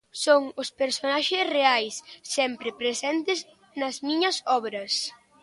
Son os personaxes reais sempre presentes nas miñas obras.